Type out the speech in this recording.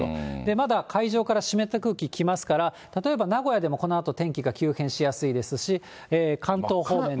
まだ海上から湿った空気来ますから、例えば名古屋でもこのあと、天気が急変しやすいですし、関東方面でも。